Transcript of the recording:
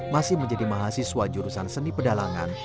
masih menjadi mahasiswa jurusan seni pedalangan